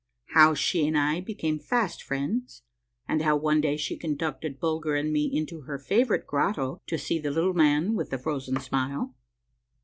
— HOW SHE AND I BECAME FAST FRIENDS, AND HOW ONE DAY SHE CONDUCTED BULGER AND ME INTO HER FAVORITE GROTTO TO SEE THE LITTLE MAN WITH THE FROZEN SMILE.